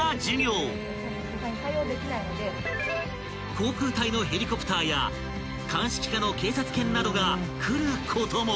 ［航空隊のヘリコプターや鑑識課の警察犬などが来ることも］